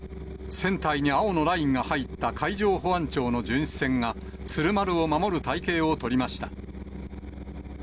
船体に青のラインが入った海上保安庁の巡視船が、鶴丸を守る隊形を取りました。